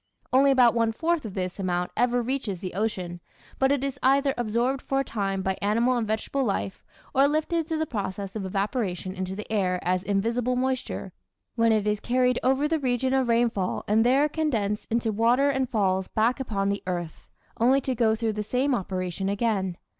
Only about one fourth of this amount ever reaches the ocean, but it is either absorbed for a time by animal and vegetable life or lifted through the process of evaporation into the air as invisible moisture, when it is carried over the region of rainfall and there condensed into water and falls back upon the earth only to go through the same operation again.